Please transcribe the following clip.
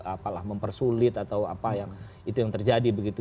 yang menyatakan bahwa dia yang mempersulit atau apa yang itu yang terjadi begitu